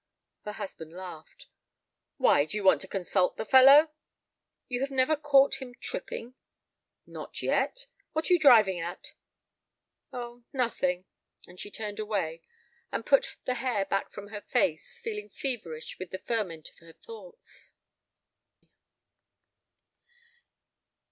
Her husband laughed. "Why, do you want to consult the fellow?" "You have never caught him tripping?" "Not yet. What are you driving at?" "Oh—nothing," and she turned away, and put the hair back from her face, feeling feverish with the ferment of her thoughts.